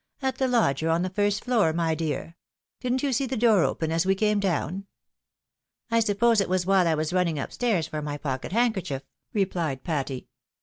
" At the lodger on the first floor, my dear. Didn't you see the door open as we came down ?"" I suppose it was while I was running up stairs for my pocket handkerchief," replied Patty.